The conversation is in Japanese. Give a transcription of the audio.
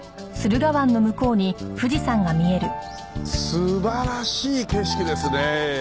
素晴らしい景色ですねえ。